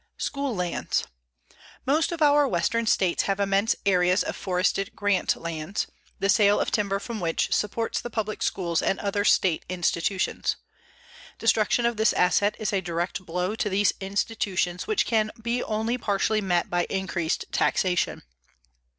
SCHOOL LANDS Most of our western states have immense areas of forested grant lands, the sale of timber from which supports the public schools and other state institutions. Destruction of this asset is a direct blow to these institutions which can be only partially met by increased taxation.